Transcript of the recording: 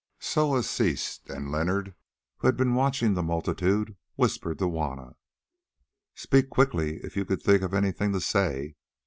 Soa ceased, and Leonard, who had been watching the multitude, whispered to Juanna: "Speak quickly if you can think of anything to say.